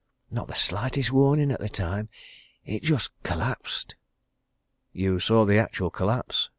Not the slightest warning at the time. It just collapsed!" "You saw the actual collapse?"